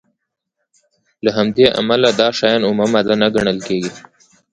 له همدې امله دا شیان اومه ماده نه ګڼل کیږي.